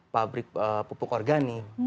pabrik pupuk organik